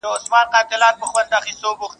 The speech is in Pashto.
نه مي پل سي څوک په لاره کي میندلای.